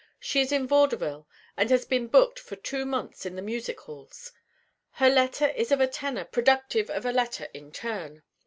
She is in vaudeville and has been booked for two months in the Music Halls. Her letter is of a tenor productive of a letter in turn.